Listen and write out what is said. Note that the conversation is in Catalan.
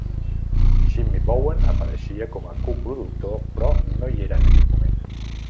Jimmy Bowen apareixia com a coproductor però no hi era en aquell moment.